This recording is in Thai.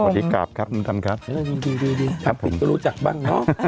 ดีกับปิ๊กจะรู้จักบ้าง